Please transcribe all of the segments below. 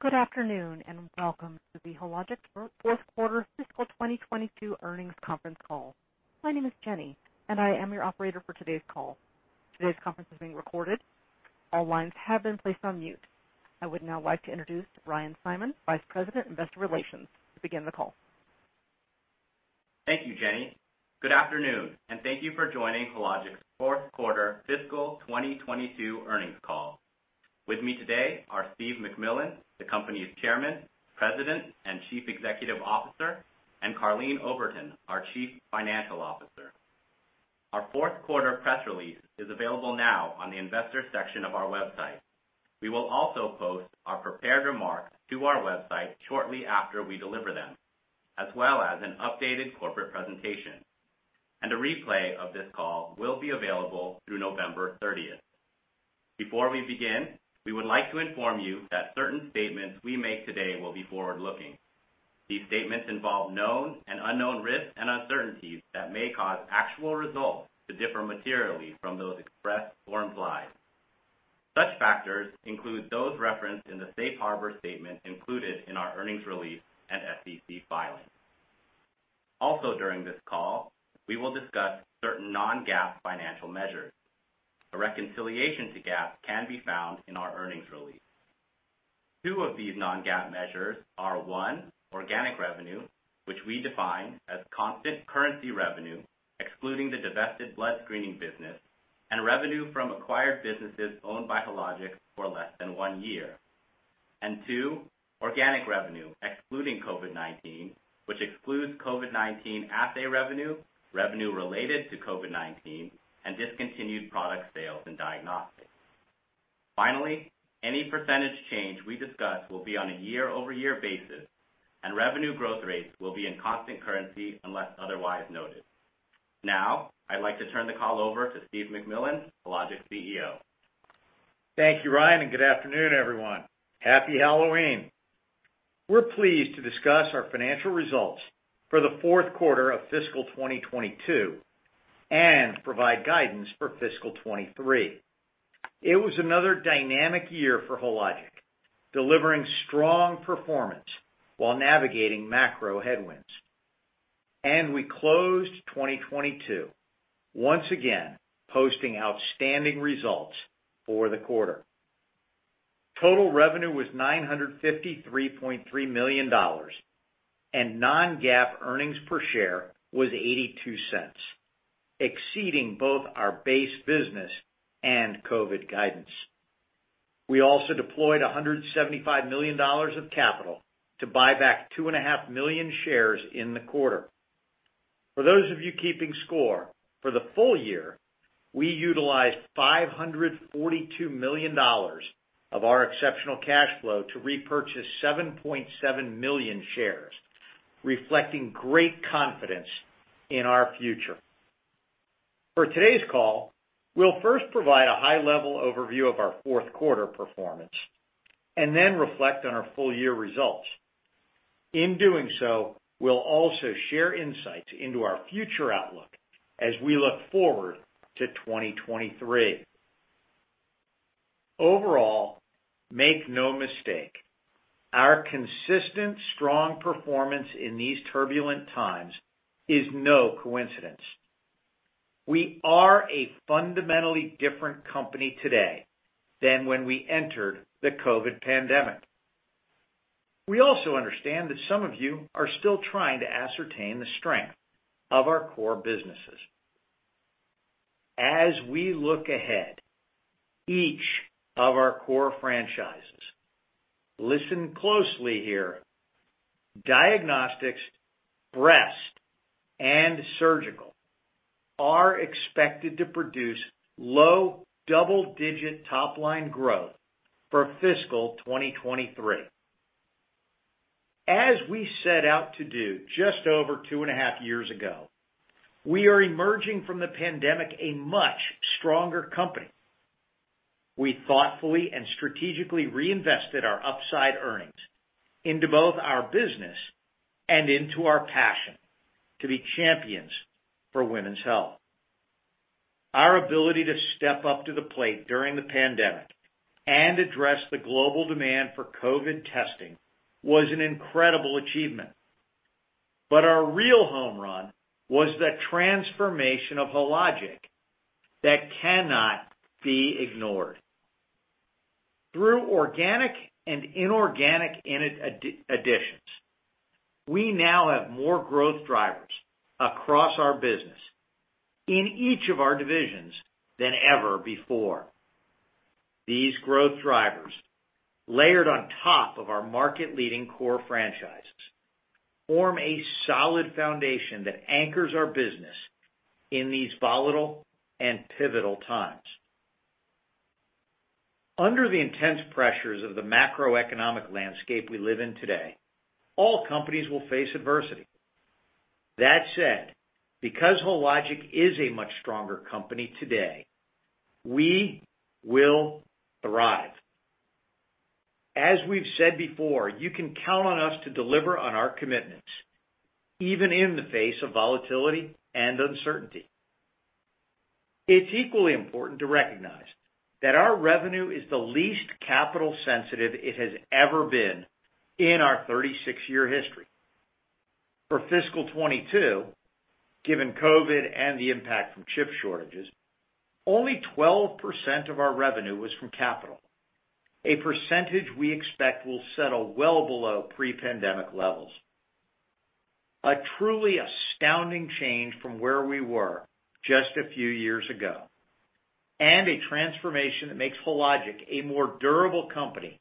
Good afternoon, and welcome to the Hologic fourth quarter fiscal 2022 earnings conference call. My name is Jenny, and I am your operator for today's call. Today's conference is being recorded. All lines have been placed on mute. I would now like to introduce Ryan Simon, Vice President, Investor Relations, to begin the call. Thank you, Jenny. Good afternoon, and thank you for joining Hologic's fourth quarter fiscal 2022 earnings call. With me today are Steve MacMillan, the company's Chairman, President, and Chief Executive Officer, and Karleen Oberton, our Chief Financial Officer. Our fourth quarter press release is available now on the investors section of our website. We will also post our prepared remarks to our website shortly after we deliver them, as well as an updated corporate presentation. A replay of this call will be available through November thirtieth. Before we begin, we would like to inform you that certain statements we make today will be forward-looking. These statements involve known and unknown risks and uncertainties that may cause actual results to differ materially from those expressed or implied. Such factors include those referenced in the safe harbor statement included in our earnings release and SEC filings. Also during this call, we will discuss certain non-GAAP financial measures. A reconciliation to GAAP can be found in our earnings release. Two of these non-GAAP measures are, one, organic revenue, which we define as constant currency revenue, excluding the divested blood screening business and revenue from acquired businesses owned by Hologic for less than one year. And two, organic revenue excluding COVID-19, which excludes COVID-19 assay revenue related to COVID-19, and discontinued product sales in diagnostics. Finally, any percentage change we discuss will be on a year-over-year basis, and revenue growth rates will be in constant currency unless otherwise noted. Now, I'd like to turn the call over to Steve MacMillan, Hologic's CEO. Thank you, Ryan, and good afternoon, everyone. Happy Halloween. We're pleased to discuss our financial results for the fourth quarter of fiscal 2022 and provide guidance for fiscal 2023. It was another dynamic year for Hologic, delivering strong performance while navigating macro headwinds. We closed 2022, once again, posting outstanding results for the quarter. Total revenue was $953.3 million, and non-GAAP earnings per share was $0.82, exceeding both our base business and COVID guidance. We also deployed $175 million of capital to buy back 2.5 million shares in the quarter. For those of you keeping score, for the full year, we utilized $542 million of our exceptional cash flow to repurchase 7.7 million shares, reflecting great confidence in our future. For today's call, we'll first provide a high-level overview of our fourth quarter performance and then reflect on our full year results. In doing so, we'll also share insights into our future outlook as we look forward to 2023. Overall, make no mistake, our consistent strong performance in these turbulent times is no coincidence. We are a fundamentally different company today than when we entered the COVID pandemic. We also understand that some of you are still trying to ascertain the strength of our core businesses. As we look ahead, each of our core franchises, listen closely here, diagnostics, breast, and surgical, are expected to produce low double-digit top-line growth for fiscal 2023. As we set out to do just over two and a half years ago, we are emerging from the pandemic a much stronger company. We thoughtfully and strategically reinvested our upside earnings into both our business and into our passion to be champions for women's health. Our ability to step up to the plate during the pandemic and address the global demand for COVID testing was an incredible achievement. Our real home run was the transformation of Hologic that cannot be ignored. Through organic and inorganic additions, we now have more growth drivers across our business in each of our divisions than ever before. These growth drivers, layered on top of our market-leading core franchises, form a solid foundation that anchors our business in these volatile and pivotal times. Under the intense pressures of the macroeconomic landscape we live in today, all companies will face adversity. That said, because Hologic is a much stronger company today, we will thrive. As we've said before, you can count on us to deliver on our commitments, even in the face of volatility and uncertainty. It's equally important to recognize that our revenue is the least capital sensitive it has ever been in our 36-year history. For fiscal 2022, given COVID and the impact from chip shortages, only 12% of our revenue was from capital. A percentage we expect will settle well below pre-pandemic levels. A truly astounding change from where we were just a few years ago, and a transformation that makes Hologic a more durable company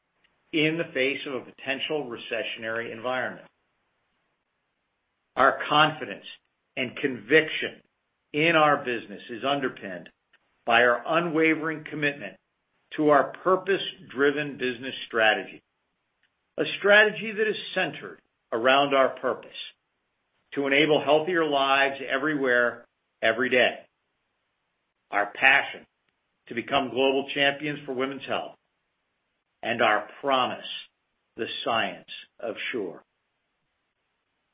in the face of a potential recessionary environment. Our confidence and conviction in our business is underpinned by our unwavering commitment to our purpose-driven business strategy. A strategy that is centered around our purpose to enable healthier lives everywhere, every day. Our passion to become global champions for women's health and our promise, the science of sure.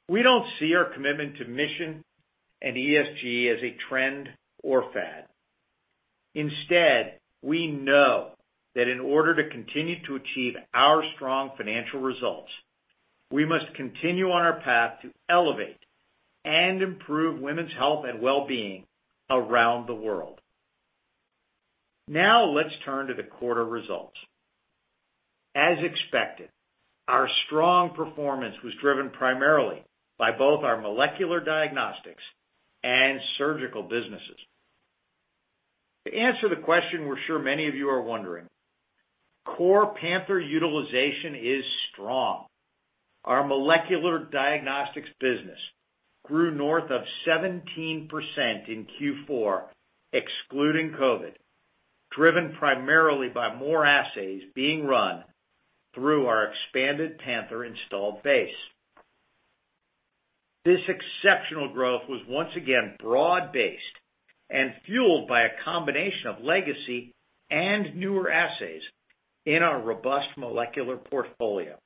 We don't see our commitment to mission and ESG as a trend or fad. Instead, we know that in order to continue to achieve our strong financial results, we must continue on our path to elevate and improve women's health and well-being around the world. Now let's turn to the quarter results. As expected, our strong performance was driven primarily by both our molecular diagnostics and surgical businesses. To answer the question we're sure many of you are wondering, core Panther utilization is strong. Our molecular diagnostics business grew north of 17% in Q4, excluding COVID, driven primarily by more assays being run through our expanded Panther installed base. This exceptional growth was once again broad-based and fueled by a combination of legacy and newer assays in our robust molecular portfolio.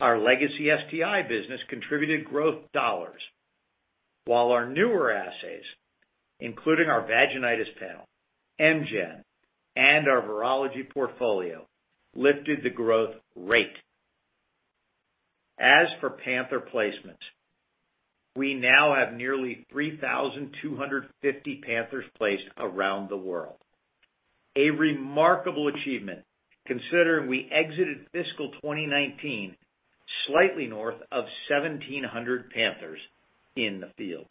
Our legacy STI business contributed growth dollars, while our newer assays, including our vaginitis panel, Mgen, and our virology portfolio, lifted the growth rate. As for Panther placements, we now have nearly 3,250 Panthers placed around the world. A remarkable achievement considering we exited fiscal 2019 slightly north of 1,700 Panthers in the field.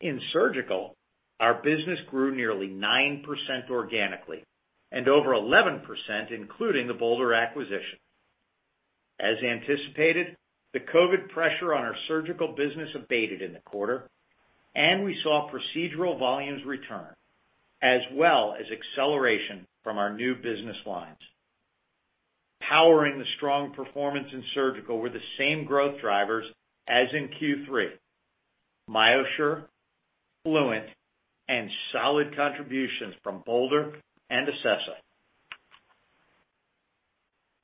In surgical, our business grew nearly 9% organically and over 11%, including the Bolder acquisition. As anticipated, the COVID pressure on our surgical business abated in the quarter, and we saw procedural volumes return, as well as acceleration from our new business lines. Powering the strong performance in surgical were the same growth drivers as in Q3, MyoSure, Fluent, and solid contributions from Bolder and Acessa.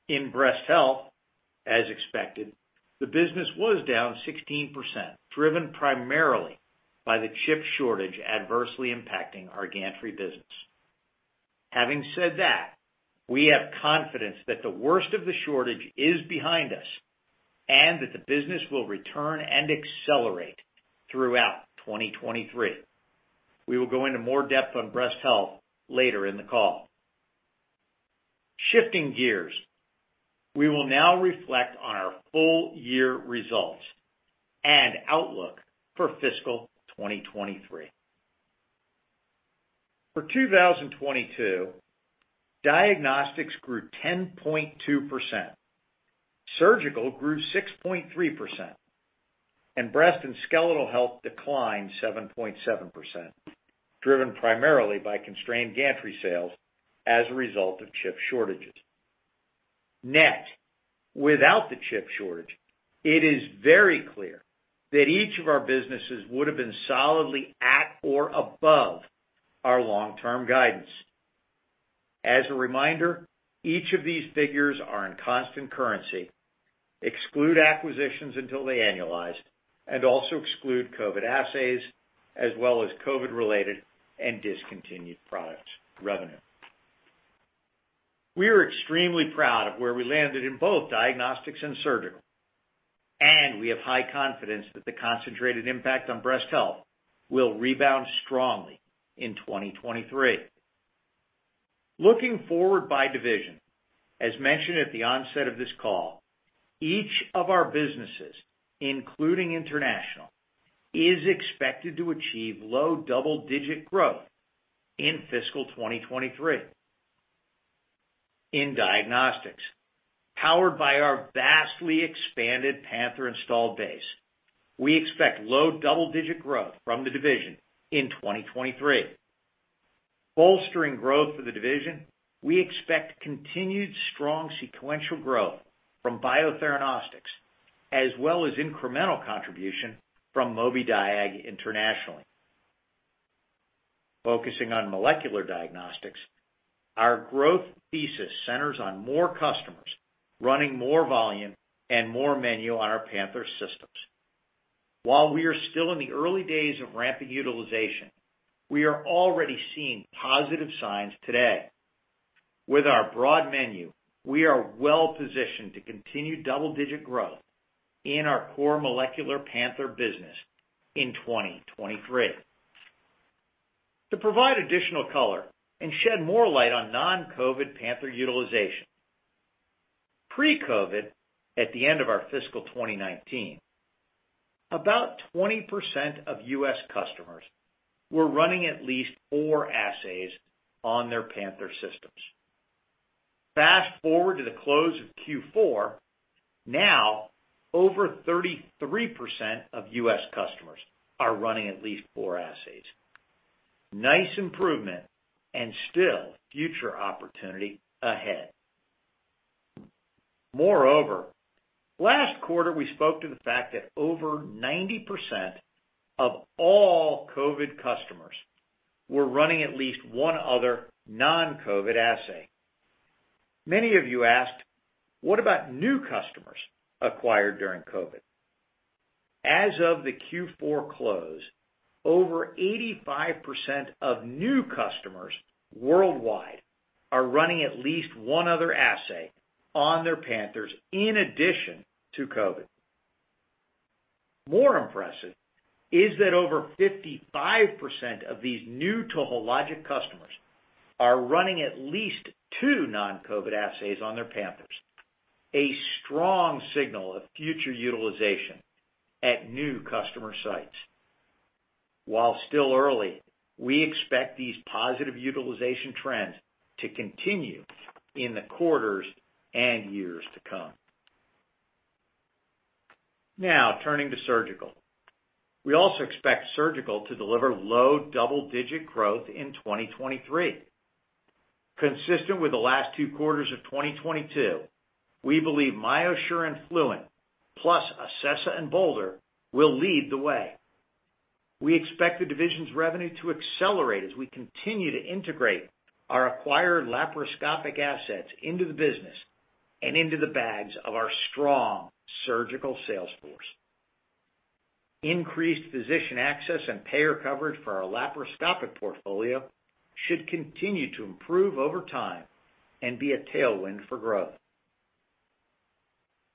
In breast health, as expected, the business was down 16%, driven primarily by the chip shortage adversely impacting our gantry business. Having said that, we have confidence that the worst of the shortage is behind us and that the business will return and accelerate throughout 2023. We will go into more depth on breast health later in the call. Shifting gears, we will now reflect on our full year results and outlook for fiscal 2023. For 2022, diagnostics grew 10.2%, surgical grew 6.3%, and breast and skeletal health declined 7.7%, driven primarily by constrained gantry sales as a result of chip shortages. Net, without the chip shortage, it is very clear that each of our businesses would have been solidly at or above our long-term guidance. As a reminder, each of these figures are in constant currency, exclude acquisitions until they annualize, and also exclude COVID assays as well as COVID-related and discontinued products revenue. We are extremely proud of where we landed in both diagnostics and surgical, and we have high confidence that the concentrated impact on breast health will rebound strongly in 2023. Looking forward by division, as mentioned at the onset of this call, each of our businesses, including international, is expected to achieve low double-digit growth in fiscal 2023. In diagnostics, powered by our vastly expanded Panther installed base, we expect low double-digit growth from the division in 2023. Bolstering growth for the division, we expect continued strong sequential growth from Biotheranostics as well as incremental contribution from Mobidiag internationally. Focusing on molecular diagnostics, our growth thesis centers on more customers running more volume and more menu on our Panther systems. While we are still in the early days of ramping utilization, we are already seeing positive signs today. With our broad menu, we are well positioned to continue double-digit growth in our core molecular Panther business in 2023. To provide additional color and shed more light on non-COVID Panther utilization, pre-COVID, at the end of our fiscal 2019, about 20% of U.S. customers were running at least four assays on their Panther systems. Fast-forward to the close of Q4, now over 33% of U.S. customers are running at least four assays. Nice improvement and still future opportunity ahead. Moreover, last quarter we spoke to the fact that over 90% of all COVID customers were running at least one other non-COVID assay. Many of you asked, what about new customers acquired during COVID? As of the Q4 close, over 85% of new customers worldwide are running at least one other assay on their Panthers in addition to COVID. More impressive is that over 55% of these new to Hologic customers are running at least two non-COVID assays on their Panthers. A strong signal of future utilization at new customer sites. While still early, we expect these positive utilization trends to continue in the quarters and years to come. Now turning to surgical. We also expect surgical to deliver low double-digit growth in 2023. Consistent with the last two quarters of 2022, we believe MyoSure and Fluent plus Acessa and Bolder will lead the way. We expect the division's revenue to accelerate as we continue to integrate our acquired laparoscopic assets into the business and into the bags of our strong surgical sales force. Increased physician access and payer coverage for our laparoscopic portfolio should continue to improve over time and be a tailwind for growth.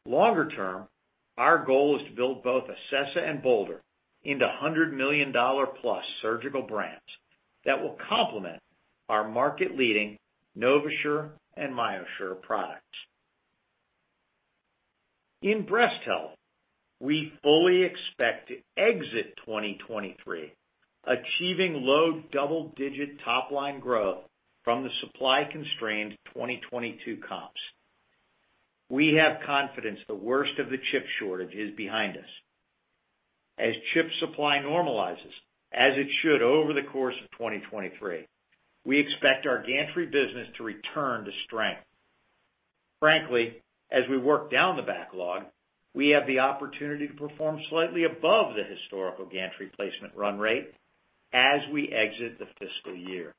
Longer term, our goal is to build both Acessa and Bolder into $100 million+ surgical brands that will complement our market-leading NovaSure and MyoSure products. In breast health, we fully expect to exit 2023 achieving low double-digit top line growth from the supply constrained 2022 comps. We have confidence the worst of the chip shortage is behind us. As chip supply normalizes, as it should over the course of 2023, we expect our gantry business to return to strength. Frankly, as we work down the backlog, we have the opportunity to perform slightly above the historical gantry placement run rate as we exit the fiscal year.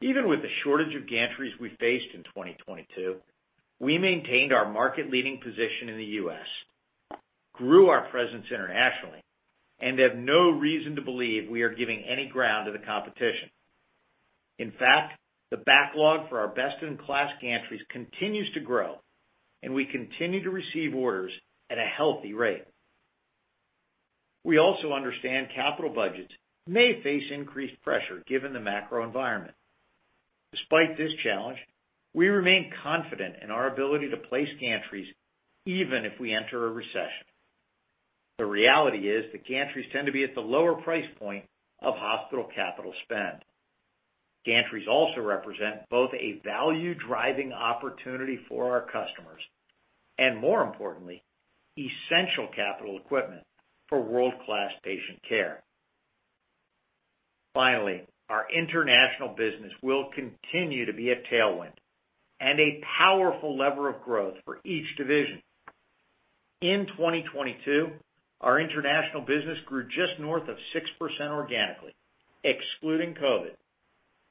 Even with the shortage of gantries we faced in 2022, we maintained our market-leading position in the U.S., grew our presence internationally and have no reason to believe we are giving any ground to the competition. In fact, the backlog for our best-in-class gantries continues to grow, and we continue to receive orders at a healthy rate. We also understand capital budgets may face increased pressure given the macro environment. Despite this challenge, we remain confident in our ability to place gantries even if we enter a recession. The reality is that gantries tend to be at the lower price point of hospital capital spend. Gantries also represent both a value driving opportunity for our customers and, more importantly, essential capital equipment for world-class patient care. Finally, our international business will continue to be a tailwind and a powerful lever of growth for each division. In 2022, our international business grew just north of 6% organically, excluding COVID,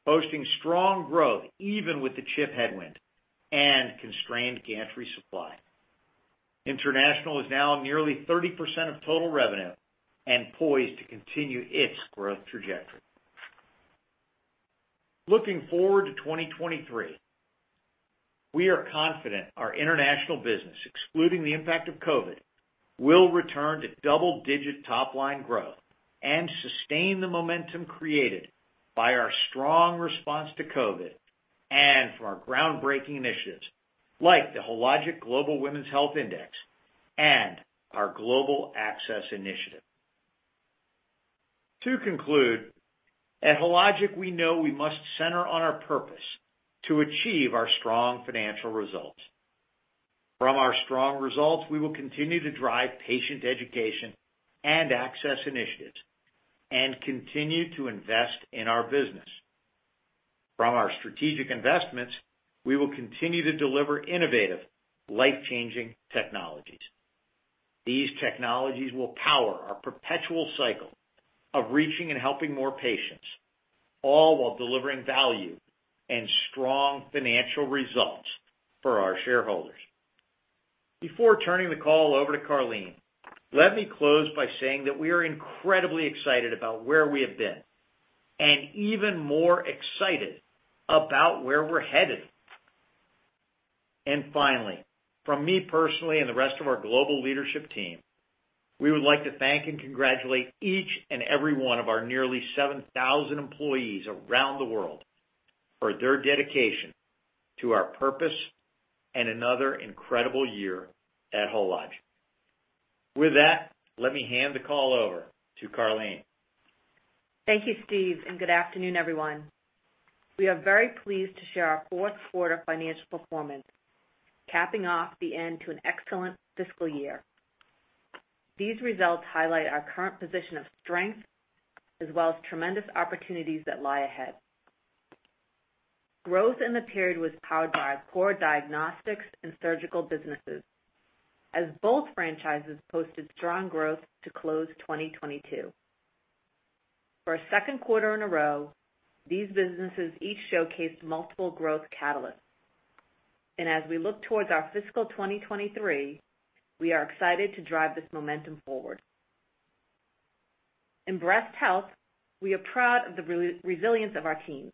posting strong growth even with the chip headwind and constrained gantry supply. International is now nearly 30% of total revenue and poised to continue its growth trajectory. Looking forward to 2023, we are confident our international business, excluding the impact of COVID, will return to double-digit top line growth and sustain the momentum created by our strong response to COVID and from our groundbreaking initiatives, like the Hologic Global Women's Health Index and our global access initiative. To conclude, at Hologic, we know we must center on our purpose to achieve our strong financial results. From our strong results, we will continue to drive patient education and access initiatives and continue to invest in our business. From our strategic investments, we will continue to deliver innovative, life-changing technologies. These technologies will power our perpetual cycle of reaching and helping more patients, all while delivering value and strong financial results for our shareholders. Before turning the call over to Karleen, let me close by saying that we are incredibly excited about where we have been, and even more excited about where we're headed. Finally, from me personally and the rest of our global leadership team, we would like to thank and congratulate each and every one of our nearly 7,000 employees around the world for their dedication to our purpose and another incredible year at Hologic. With that, let me hand the call over to Karleen. Thank you, Steve, and good afternoon, everyone. We are very pleased to share our fourth quarter financial performance, capping off the end to an excellent fiscal year. These results highlight our current position of strength as well as tremendous opportunities that lie ahead. Growth in the period was powered by our core diagnostics and surgical businesses, as both franchises posted strong growth to close 2022. For a second quarter in a row, these businesses each showcased multiple growth catalysts. as we look towards our fiscal 2023, we are excited to drive this momentum forward. In breast health, we are proud of the resilience of our team.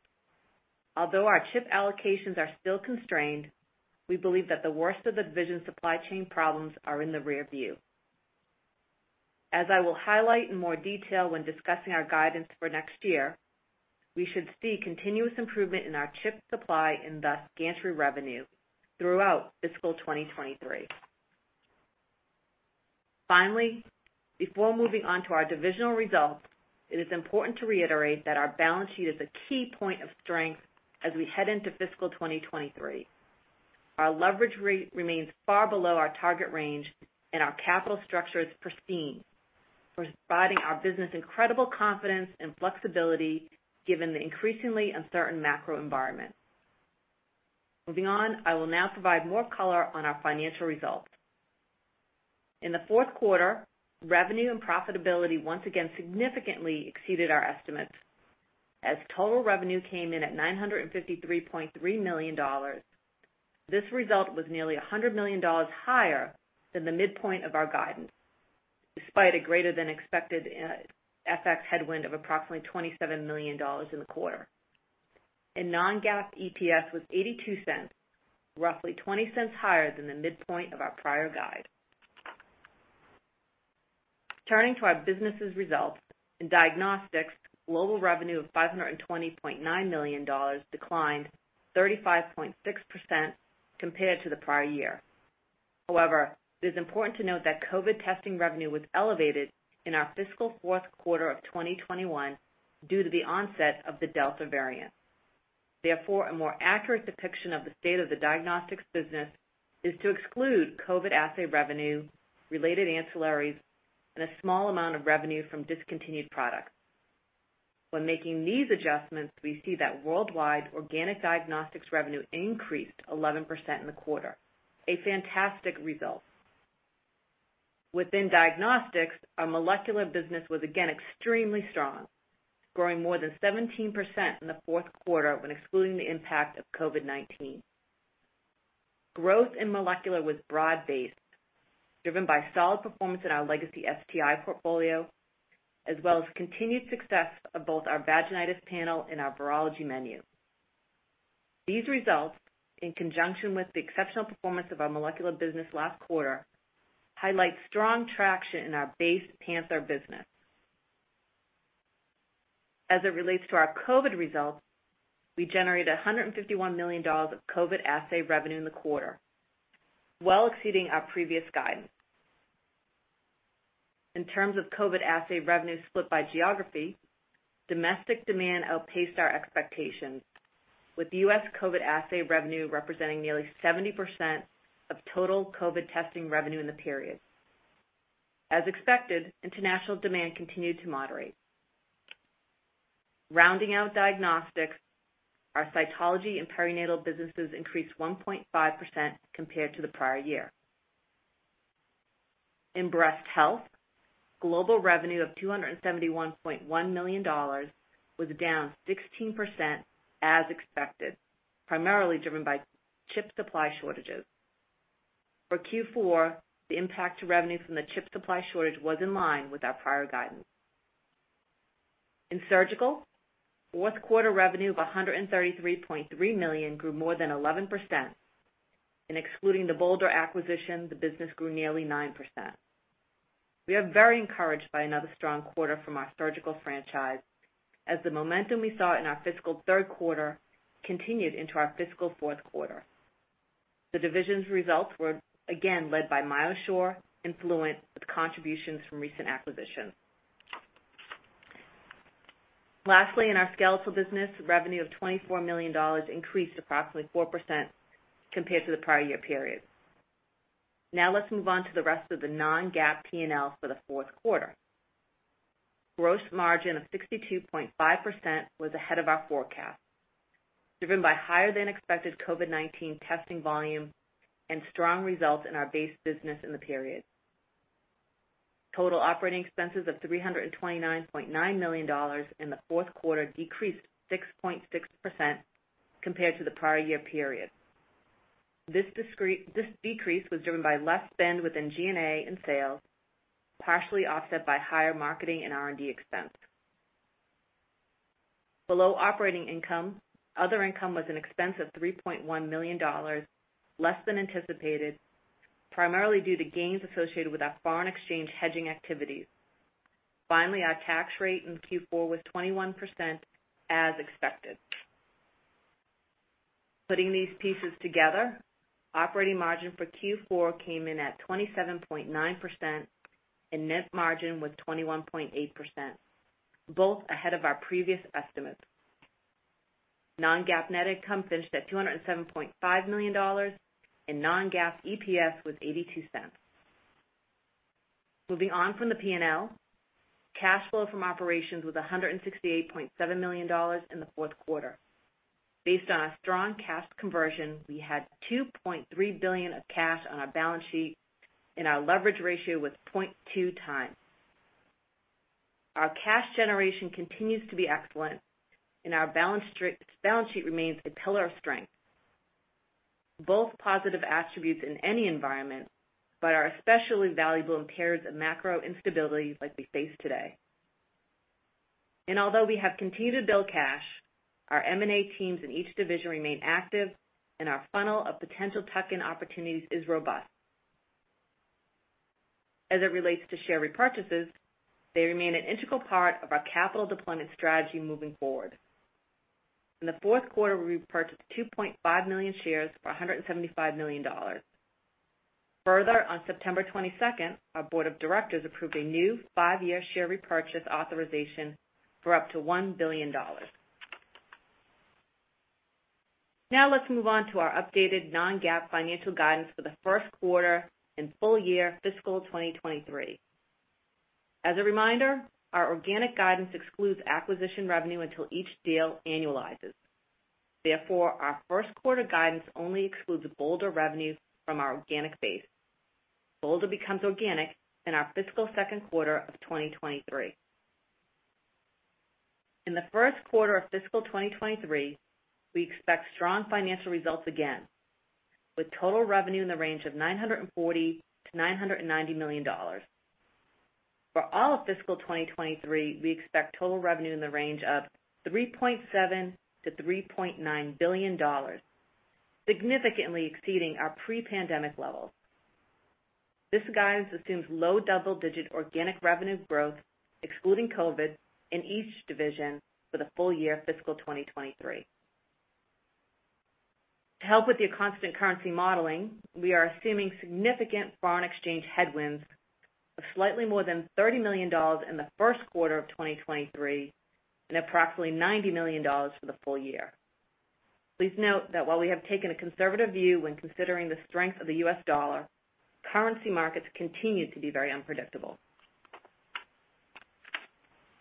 Although our chip allocations are still constrained, we believe that the worst of the division supply chain problems are in the rearview. As I will highlight in more detail when discussing our guidance for next year, we should see continuous improvement in our chip supply and thus gantry revenue throughout fiscal 2023. Finally, before moving on to our divisional results, it is important to reiterate that our balance sheet is a key point of strength as we head into fiscal 2023. Our leverage rate remains far below our target range, and our capital structure is pristine, providing our business incredible confidence and flexibility given the increasingly uncertain macro environment. Moving on, I will now provide more color on our financial results. In the fourth quarter, revenue and profitability once again significantly exceeded our estimates as total revenue came in at $953.3 million. This result was nearly $100 million higher than the midpoint of our guidance, despite a greater than expected FX headwind of approximately $27 million in the quarter. Non-GAAP EPS was $0.82, roughly $0.20 higher than the midpoint of our prior guide. Turning to our business' results. In diagnostics, global revenue of $520.9 million declined 35.6% compared to the prior year. However, it is important to note that COVID testing revenue was elevated in our fiscal fourth quarter of 2021 due to the onset of the Delta variant. Therefore, a more accurate depiction of the state of the diagnostics business is to exclude COVID assay revenue, related ancillaries, and a small amount of revenue from discontinued products. When making these adjustments, we see that worldwide organic diagnostics revenue increased 11% in the quarter, a fantastic result. Within diagnostics, our molecular business was again extremely strong, growing more than 17% in the fourth quarter when excluding the impact of COVID-19. Growth in molecular was broad-based, driven by solid performance in our legacy STI portfolio, as well as continued success of both our vaginitis panel and our virology menu. These results, in conjunction with the exceptional performance of our molecular business last quarter, highlight strong traction in our base Panther business. As it relates to our COVID results, we generated $151 million of COVID assay revenue in the quarter, well exceeding our previous guidance. In terms of COVID assay revenue split by geography, domestic demand outpaced our expectations, with U.S. COVID assay revenue representing nearly 70% of total COVID testing revenue in the period. As expected, international demand continued to moderate. Rounding out diagnostics, our cytology and perinatal businesses increased 1.5% compared to the prior year. In breast health, global revenue of $271.1 million was down 16% as expected, primarily driven by chip supply shortages. For Q4, the impact to revenue from the chip supply shortage was in line with our prior guidance. In surgical, fourth quarter revenue of $133.3 million grew more than 11%. Excluding the Bolder acquisition, the business grew nearly 9%. We are very encouraged by another strong quarter from our surgical franchise, as the momentum we saw in our fiscal third quarter continued into our fiscal fourth quarter. The division's results were again led by MyoSure and Fluent, with contributions from recent acquisitions. Lastly, in our skeletal business, revenue of $24 million increased approximately 4% compared to the prior year period. Now let's move on to the rest of the non-GAAP P&L for the fourth quarter. Gross margin of 62.5% was ahead of our forecast, driven by higher than expected COVID-19 testing volume and strong results in our base business in the period. Total operating expenses of $329.9 million in the fourth quarter decreased 6.6% compared to the prior year period. This decrease was driven by less spend within G&A and sales, partially offset by higher marketing and R&D expense. Below operating income, other income was an expense of $3.1 million, less than anticipated, primarily due to gains associated with our foreign exchange hedging activities. Finally, our tax rate in Q4 was 21% as expected. Putting these pieces together, operating margin for Q4 came in at 27.9% and net margin was 21.8%, both ahead of our previous estimates. Non-GAAP net income finished at $207.5 million and non-GAAP EPS was $0.82. Moving on from the P&L. Cash flow from operations was $168.7 million in the fourth quarter. Based on a strong cash conversion, we had $2.3 billion of cash on our balance sheet, and our leverage ratio was 0.2x. Our cash generation continues to be excellent and our balance sheet remains a pillar of strength. Both positive attributes in any environment, but are especially valuable in periods of macro instability like we face today. Although we have continued to build cash, our M&A teams in each division remain active and our funnel of potential tuck-in opportunities is robust. As it relates to share repurchases, they remain an integral part of our capital deployment strategy moving forward. In the fourth quarter, we repurchased 2.5 million shares for $175 million. Further, on September 22, our board of directors approved a new five year share repurchase authorization for up to $1 billion. Now let's move on to our updated non-GAAP financial guidance for the first quarter and full year fiscal 2023. As a reminder, our organic guidance excludes acquisition revenue until each deal annualizes. Therefore, our first quarter guidance only excludes Bolder revenue from our organic base. Bolder becomes organic in our fiscal second quarter of 2023. In the first quarter of fiscal 2023, we expect strong financial results again, with total revenue in the range of $940 million to $990 million. For all of fiscal 2023, we expect total revenue in the range of $3.7 billion to $3.9 billion, significantly exceeding our pre-pandemic levels. This guidance assumes low double-digit organic revenue growth, excluding COVID in each division for the full year fiscal 2023. To help with your constant currency modeling, we are assuming significant foreign exchange headwinds of slightly more than $30 million in the first quarter of 2023 and approximately $90 million for the full year. Please note that while we have taken a conservative view when considering the strength of the US dollar, currency markets continue to be very unpredictable.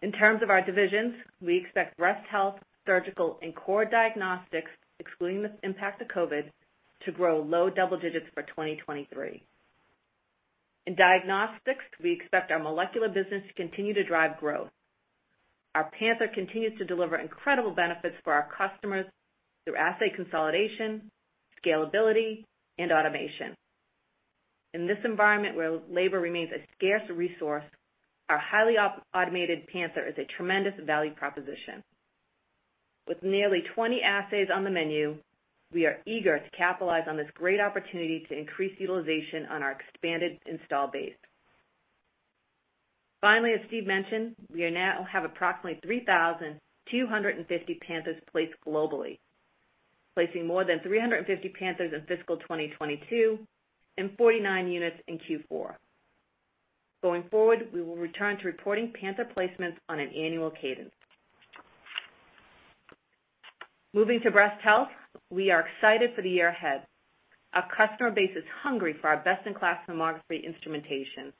In terms of our divisions, we expect breast health, surgical, and core diagnostics, excluding the impact of COVID, to grow low double digits for 2023. In diagnostics, we expect our molecular business to continue to drive growth. Our Panther continues to deliver incredible benefits for our customers through assay consolidation, scalability, and automation. In this environment where labor remains a scarce resource, our highly automated Panther is a tremendous value proposition. With nearly 20 assays on the menu, we are eager to capitalize on this great opportunity to increase utilization on our expanded install base. Finally, as Steve mentioned, we now have approximately 3,250 Panthers placed globally, placing more than 350 Panthers in fiscal 2022 and 49 units in Q4. Going forward, we will return to reporting Panther placements on an annual cadence. Moving to breast health. We are excited for the year ahead. Our customer base is hungry for our best-in-class mammography instrumentation.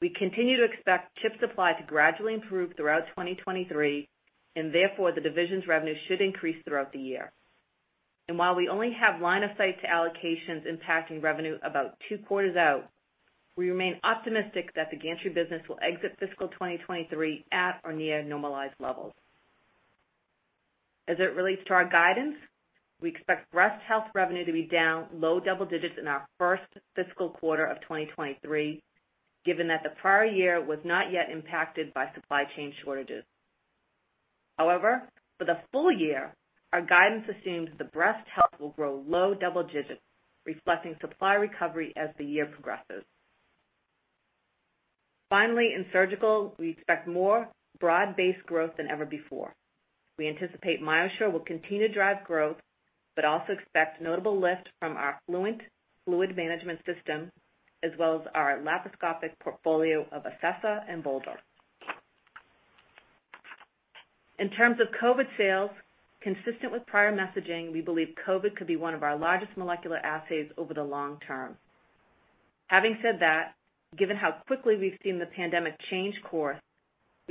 We continue to expect chip supply to gradually improve throughout 2023, and therefore, the division's revenue should increase throughout the year. While we only have line of sight to allocations impacting revenue about two quarters out, we remain optimistic that the gantry business will exit fiscal 2023 at or near normalized levels. As it relates to our guidance, we expect Breast Health revenue to be down low double digits in our first fiscal quarter of 2023, given that the prior year was not yet impacted by supply chain shortages. However, for the full year, our guidance assumes Breast Health will grow low double digits, reflecting supply recovery as the year progresses. Finally, in Surgical, we expect more broad-based growth than ever before. We anticipate MyoSure will continue to drive growth, but also expect notable lift from our Fluent fluid management system, as well as our laparoscopic portfolio of Acessa and Bolder. In terms of COVID sales, consistent with prior messaging, we believe COVID could be one of our largest molecular assays over the long term. Having said that, given how quickly we've seen the pandemic change course,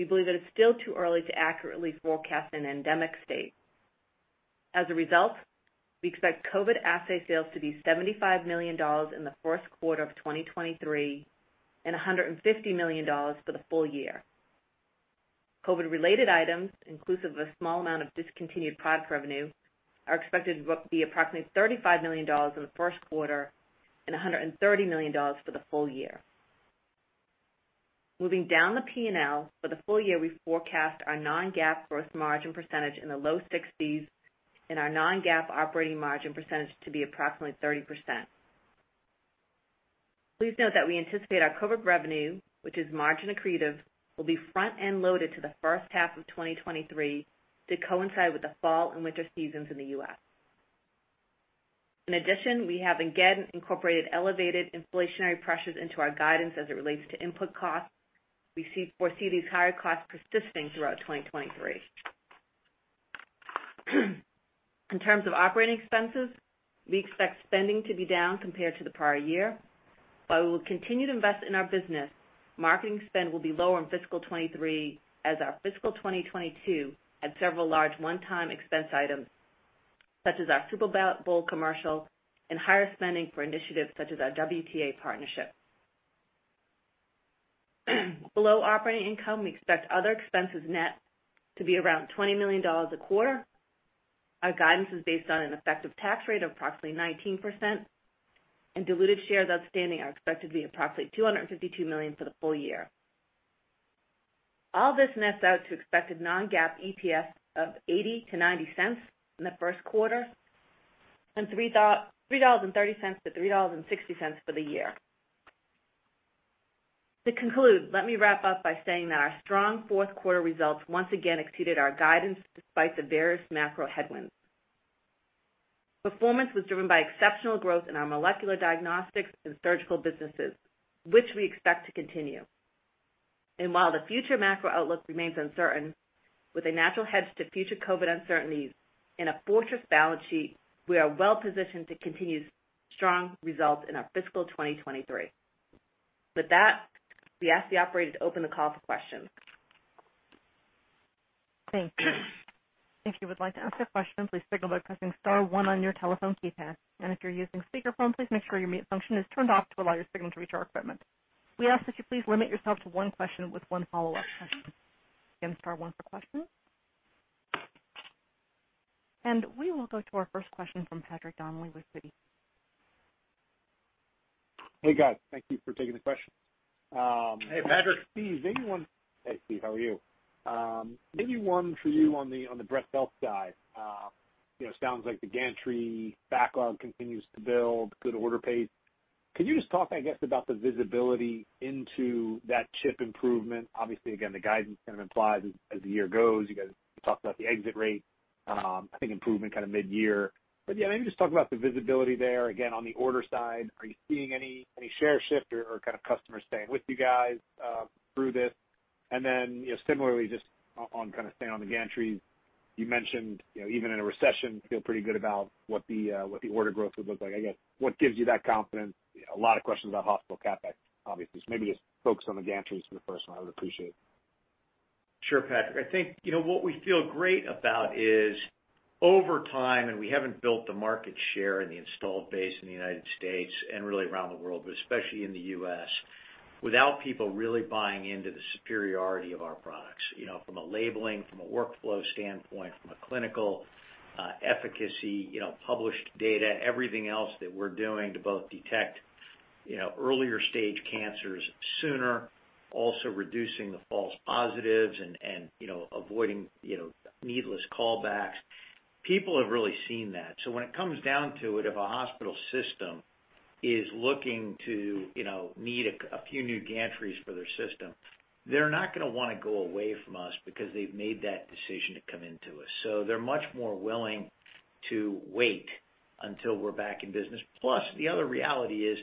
we believe that it's still too early to accurately forecast an endemic state. As a result, we expect COVID assay sales to be $75 million in the first quarter of 2023, and $150 million for the full year. COVID-related items, inclusive of a small amount of discontinued product revenue, are expected to be approximately $35 million in the first quarter and $130 million for the full year. Moving down the P&L, for the full year, we forecast our non-GAAP gross margin percentage in the low 60s and our non-GAAP operating margin percentage to be approximately 30%. Please note that we anticipate our COVID revenue, which is margin accretive, will be front-end loaded to the first half of 2023 to coincide with the fall and winter seasons in the U.S. In addition, we have again incorporated elevated inflationary pressures into our guidance as it relates to input costs. We foresee these higher costs persisting throughout 2023. In terms of operating expenses, we expect spending to be down compared to the prior year. While we will continue to invest in our business, marketing spend will be lower in fiscal 2023 as our fiscal 2022 had several large one-time expense items such as our Super Bowl commercial and higher spending for initiatives such as our WTA partnership. Below operating income, we expect other expenses net to be around $20 million a quarter. Our guidance is based on an effective tax rate of approximately 19%, and diluted shares outstanding are expected to be approximately 252 million for the full year. All this nets out to expected non-GAAP EPS of $0.80 to $0.90 in the first quarter and $3.30 to $3.60 for the year. To conclude, let me wrap up by saying that our strong fourth quarter results once again exceeded our guidance despite the various macro headwinds. Performance was driven by exceptional growth in our molecular diagnostics and surgical businesses, which we expect to continue. While the future macro outlook remains uncertain, with a natural hedge to future COVID uncertainties and a fortress balance sheet, we are well positioned to continue strong results in our fiscal 2023. With that, we ask the operator to open the call for questions. Thank you. If you would like to ask a question, please signal by pressing Star one on your telephone keypad. If you're using speakerphone, please make sure your mute function is turned off to allow your signal to reach our equipment. We ask that you please limit yourself to one question with one follow-up question. Again, Star one for questions. We will go to our first question from Patrick Donnelly with Citi. Hey, guys. Thank you for taking the question. Hey, Patrick. Hey, Steve, how are you? Maybe one for you on the breast health side. You know, sounds like the gantry backlog continues to build, good order pace. Can you just talk, I guess, about the visibility into that chip improvement? Obviously, again, the guidance kind of implies as the year goes, you guys talked about the exit rate, I think improvement kind of mid-year. But yeah, maybe just talk about the visibility there. Again, on the order side, are you seeing any share shift or kind of customers staying with you guys through this? Then, you know, similarly, just on kind of staying on the gantry, you mentioned, you know, even in a recession, feel pretty good about what the order growth would look like. I guess, what gives you that confidence? A lot of questions about hospital CapEx, obviously. Maybe just focus on the gantries for the first one, I would appreciate it. Sure, Patrick. I think, you know, what we feel great about is over time, and we haven't built the market share and the installed base in the United States and really around the world, but especially in the U.S., without people really buying into the superiority of our products. You know, from a labeling, from a workflow standpoint, from a clinical efficacy, you know, published data, everything else that we're doing to both detect, you know, earlier stage cancers sooner, also reducing the false positives and, you know, avoiding, you know, needless callbacks. People have really seen that. When it comes down to it, if a hospital system is looking to, you know, need a few new gantries for their system, they're not gonna wanna go away from us because they've made that decision to come into us. They're much more willing to wait until we're back in business. Plus, the other reality is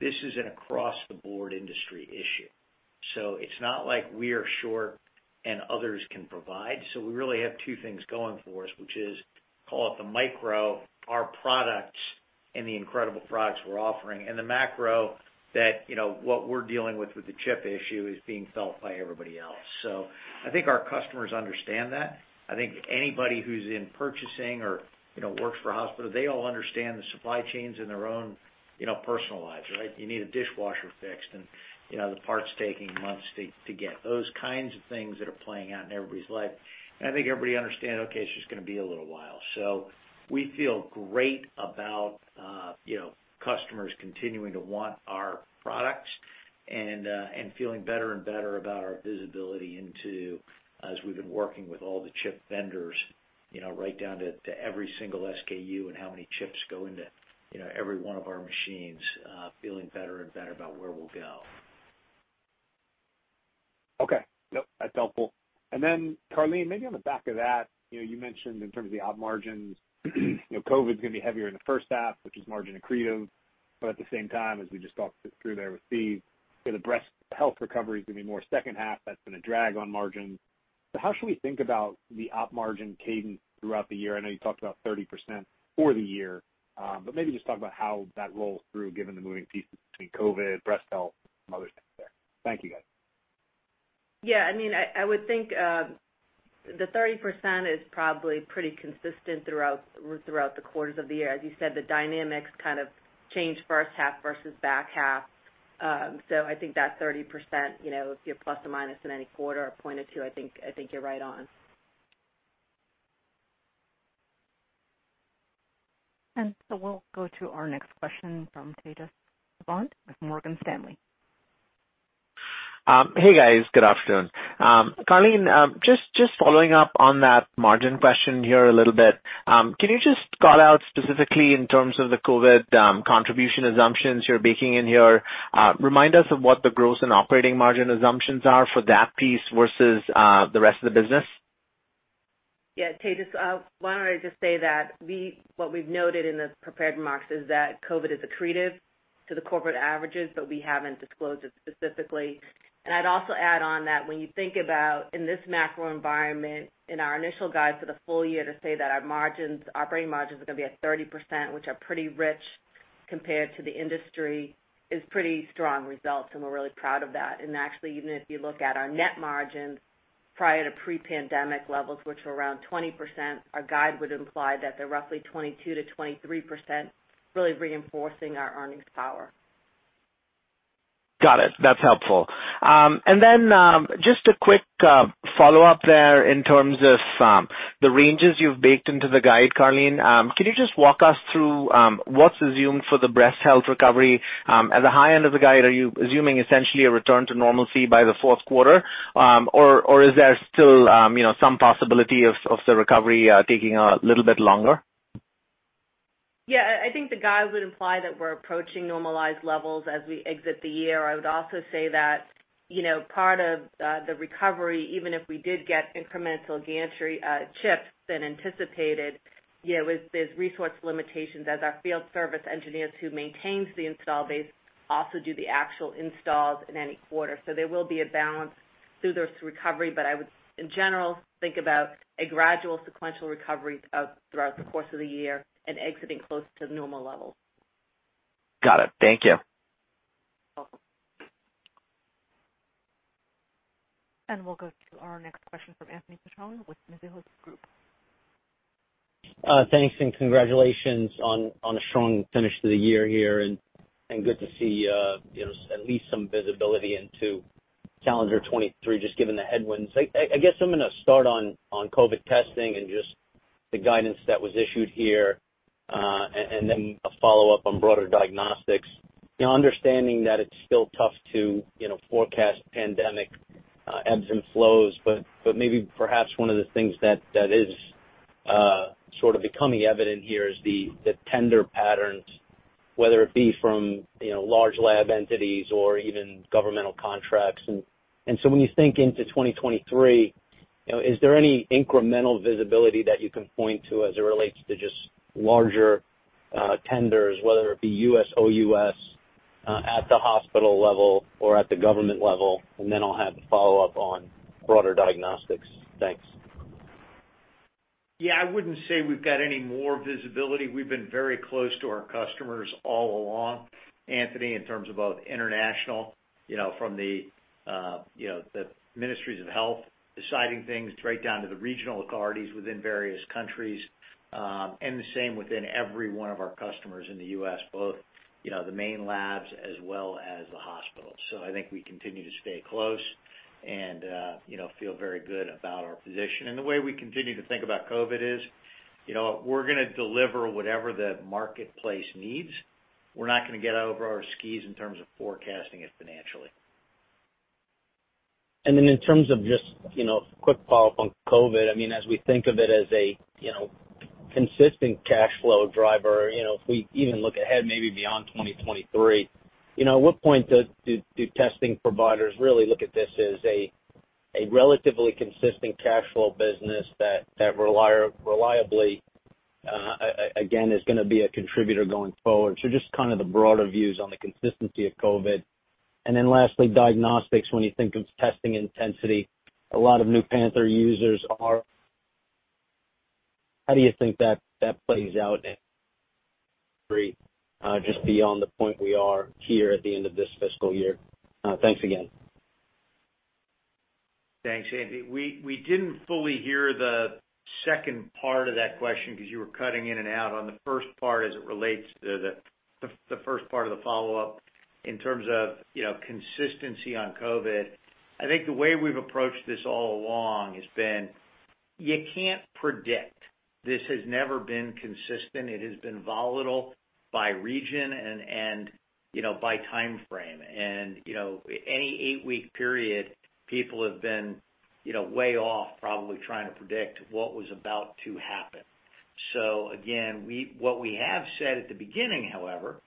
this is an across-the-board industry issue. It's not like we are short and others can provide. We really have two things going for us, which is call it the micro, our products and the incredible products we're offering, and the macro that, you know, what we're dealing with the chip issue is being felt by everybody else. I think our customers understand that. I think anybody who's in purchasing or, you know, works for a hospital, they all understand the supply chains in their own, you know, personal lives, right? You need a dishwasher fixed and, you know, the parts taking months to get. Those kinds of things that are playing out in everybody's life. I think everybody understand, okay, it's just gonna be a little while. We feel great about, you know, customers continuing to want our products and feeling better and better about our visibility into, as we've been working with all the chip vendors, you know, right down to every single SKU and how many chips go into, you know, every one of our machines, feeling better and better about where we'll go. Okay. Nope, that's helpful. Then, Karleen, maybe on the back of that, you know, you mentioned in terms of the op margins, you know, COVID's gonna be heavier in the first half, which is margin accretive. At the same time, as we just talked it through there with Steve, you know, the breast health recovery is gonna be more second half. That's been a drag on margins. How should we think about the op margin cadence throughout the year? I know you talked about 30% for the year, but maybe just talk about how that rolls through given the moving pieces between COVID, breast health, some other things there. Thank you, guys. Yeah, I mean, I would think the 30% is probably pretty consistent throughout the quarters of the year. As you said, the dynamics kind of change first half versus back half. I think that 30%, you know, if you're plus or minus a point or two in any quarter, I think you're right on. We'll go to our next question from Tejas Savant with Morgan Stanley. Hey, guys, good afternoon. Karleen, just following up on that margin question here a little bit, can you just call out specifically in terms of the COVID contribution assumptions you're baking in here? Remind us of what the gross and operating margin assumptions are for that piece versus the rest of the business. Yeah, Tejas, why don't I just say that what we've noted in the prepared remarks is that COVID is accretive to the corporate averages, but we haven't disclosed it specifically. I'd also add on that when you think about in this macro environment, in our initial guide for the full year to say that our margins, operating margins are gonna be at 30%, which are pretty rich compared to the industry, is pretty strong results, and we're really proud of that. Actually, even if you look at our net margins prior to pre-pandemic levels, which were around 20%, our guide would imply that they're roughly 22% to 23%, really reinforcing our earnings power. Got it. That's helpful. Just a quick follow-up there in terms of the ranges you've baked into the guide, Karleen. Can you just walk us through what's assumed for the breast health recovery? At the high end of the guide, are you assuming essentially a return to normalcy by the fourth quarter? Or is there still, you know, some possibility of the recovery taking a little bit longer? Yeah. I think the guide would imply that we're approaching normalized levels as we exit the year. I would also say that, you know, part of the recovery, even if we did get incremental gantry chips than anticipated, you know, with these resource limitations as our field service engineers who maintains the install base also do the actual installs in any quarter. There will be a balance through this recovery, but I would in general think about a gradual sequential recovery throughout the course of the year and exiting close to normal levels. Got it. Thank you. Welcome. We'll go to our next question from Anthony Petrone with Mizuho Group. Thanks and congratulations on a strong finish to the year here, and good to see you know at least some visibility into calendar 2023 just given the headwinds. I guess I'm gonna start on COVID testing and just the guidance that was issued here, and then a follow-up on broader diagnostics. You know, understanding that it's still tough to you know forecast pandemic ebbs and flows, but maybe perhaps one of the things that is sort of becoming evident here is the tender patterns, whether it be from you know large lab entities or even governmental contracts. When you think into 2023, you know, is there any incremental visibility that you can point to as it relates to just larger tenders, whether it be US, OUS at the hospital level or at the government level? I'll have a follow-up on broader diagnostics. Thanks. Yeah, I wouldn't say we've got any more visibility. We've been very close to our customers all along, Anthony, in terms of both international, you know, from the, you know, the Ministries of Health deciding things right down to the regional authorities within various countries, and the same within every one of our customers in the U.S., both, you know, the main labs as well as the hospitals. I think we continue to stay close and, you know, feel very good about our position. The way we continue to think about COVID is, you know, we're gonna deliver whatever the marketplace needs. We're not gonna get over our skis in terms of forecasting it financially. In terms of just, you know, quick follow-up on COVID, I mean, as we think of it as a, you know, consistent cash flow driver, you know, if we even look ahead maybe beyond 2023, you know, at what point do testing providers really look at this as a relatively consistent cash flow business that reliably, again, is gonna be a contributor going forward? Just kind of the broader views on the consistency of COVID. Lastly, diagnostics. When you think of testing intensity, a lot of new Panther users are. How do you think that plays out in just beyond the point we are here at the end of this fiscal year? Thanks again. Thanks, Anthony. We didn't fully hear the second part of that question 'cause you were cutting in and out. On the first part as it relates to the first part of the follow-up in terms of, you know, consistency on COVID, I think the way we've approached this all along has been you can't predict. This has never been consistent. It has been volatile by region and, you know, by timeframe. You know, any eight-week period, people have been, you know, way off probably trying to predict what was about to happen. Again, what we have said at the beginning, however,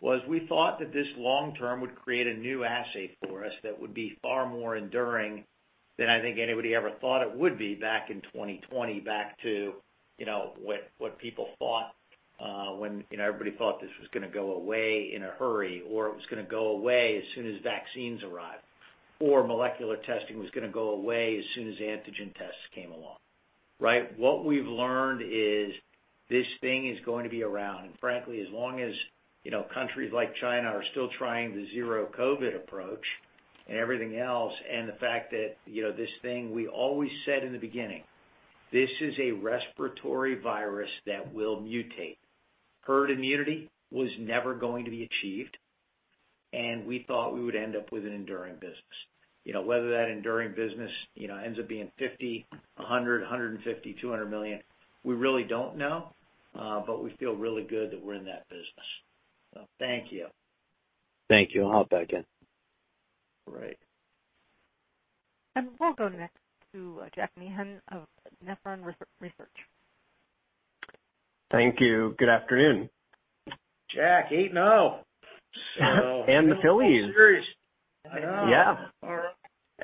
was we thought that this long term would create a new assay for us that would be far more enduring. Then I think anybody ever thought it would be back in 2020 back to, you know, what people thought, when, you know, everybody thought this was gonna go away in a hurry, or it was gonna go away as soon as vaccines arrived, or molecular testing was gonna go away as soon as antigen tests came along. Right? What we've learned is this thing is going to be around. Frankly, as long as, you know, countries like China are still trying the zero COVID approach and everything else, and the fact that, you know, this thing we always said in the beginning, this is a respiratory virus that will mutate. Herd immunity was never going to be achieved, and we thought we would end up with an enduring business. You know, whether that enduring business, you know, ends up being $50 million, $100 million, $150 million, $200 million, we really don't know, but we feel really good that we're in that business. Thank you. Thank you. I'll hop back in. All right. We'll go next to Jack Meehan of Nephron Research. Thank you. Good afternoon. Jack, 8-0. The Phillies. Series. Yeah.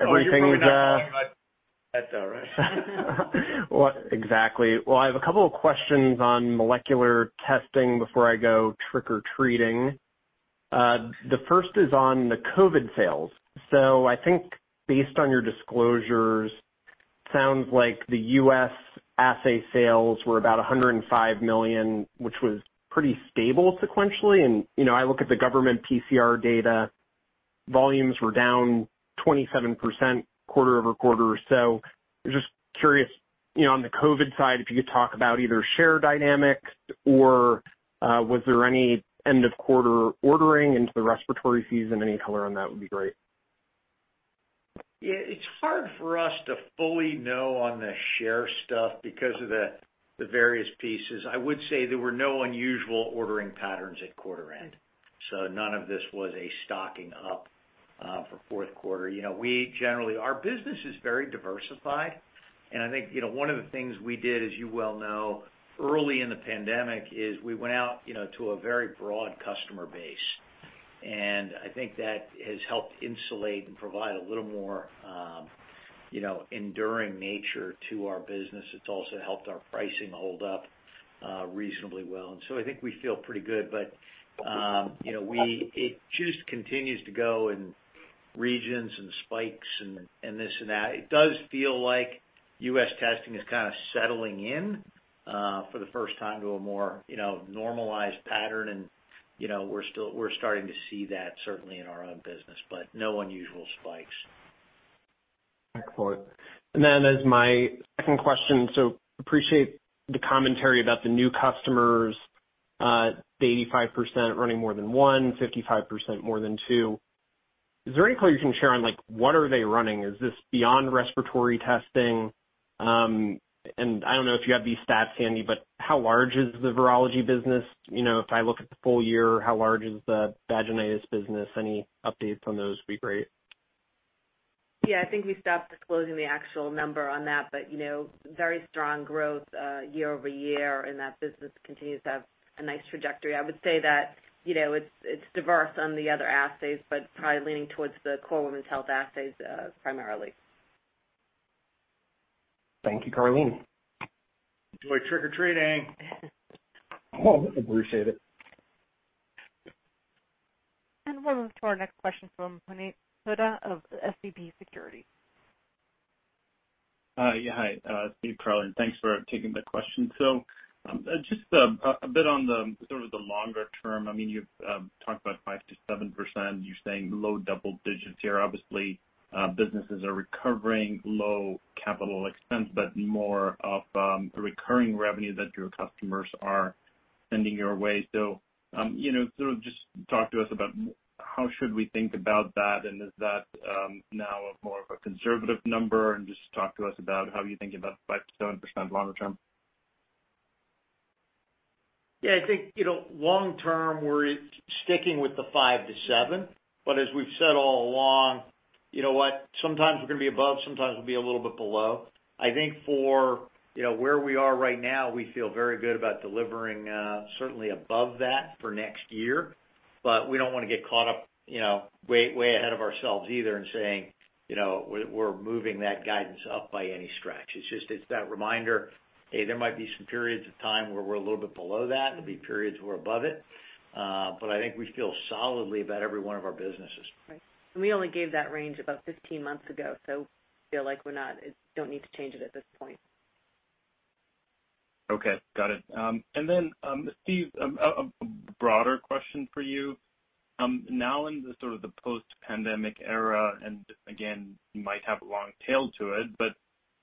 Everything's. That's all right. Well, exactly. Well, I have a couple of questions on molecular testing before I go trick-or-treating. The first is on the COVID sales. I think based on your disclosures, sounds like the US assay sales were about $105 million, which was pretty stable sequentially. You know, I look at the government PCR data, volumes were down 27% quarter-over-quarter. Just curious, you know, on the COVID side, if you could talk about either share dynamics or, was there any end of quarter ordering into the respiratory season? Any color on that would be great. Yeah, it's hard for us to fully know on the share stuff because of the various pieces. I would say there were no unusual ordering patterns at quarter end, so none of this was a stocking up for fourth quarter. You know, Our business is very diversified, and I think, you know, one of the things we did, as you well know, early in the pandemic is we went out, you know, to a very broad customer base. I think that has helped insulate and provide a little more, you know, enduring nature to our business. It's also helped our pricing hold up reasonably well. I think we feel pretty good. You know, It just continues to go in regions and spikes and this and that. It does feel like U.S. testing is kind of settling in for the first time to a more, you know, normalized pattern. You know, we're starting to see that certainly in our own business, but no unusual spikes. Excellent. Then as my second question, so appreciate the commentary about the new customers, the 85% running more than one, 55% more than two. Is there any color you can share on, like, what are they running? Is this beyond respiratory testing? And I don't know if you have these stats handy, but how large is the virology business? You know, if I look at the full year, how large is the vaginitis business? Any updates on those would be great. Yeah, I think we stopped disclosing the actual number on that. You know, very strong growth year-over-year, and that business continues to have a nice trajectory. I would say that, you know, it's diverse on the other assays, but probably leaning towards the core women's health assays, primarily. Thank you, Karleen. Enjoy trick-or-treating. Appreciate it. We'll move to our next question from Puneet Souda of SVB Securities. Yeah, hi, Steve, Karleen, thanks for taking the question. Just a bit on the sort of the longer term, I mean, you've talked about 5% to 7%. You're saying low double digits here. Obviously, businesses are recovering low CapEx, but more of recurring revenue that your customers are sending your way. You know, sort of just talk to us about how should we think about that, and is that now more of a conservative number? Just talk to us about how you think about 5% to 7% longer term. Yeah, I think, you know, long term, we're sticking with the 5% to 7%, but as we've said all along, you know what? Sometimes we're gonna be above, sometimes we'll be a little bit below. I think for, you know, where we are right now, we feel very good about delivering certainly above that for next year. We don't wanna get caught up, you know, way ahead of ourselves either and saying, you know, we're moving that guidance up by any stretch. It's just that reminder, hey, there might be some periods of time where we're a little bit below that. There'll be periods we're above it. I think we feel solidly about every one of our businesses. Right. We only gave that range about 15 months ago, so we feel like it don't need to change it at this point. Okay, got it. And then, Steve, a broader question for you. Now in the sort of the post-pandemic era, and again, might have a long tail to it, but,